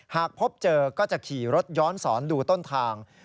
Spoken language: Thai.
หากพบเจอก็จะขี่รถย้อนสอนดูต้นทาง